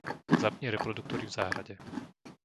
Zapni reproduktory v záhrade.